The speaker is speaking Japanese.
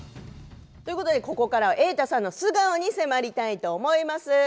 ここからは瑛太さんの素顔に迫りたいと思います。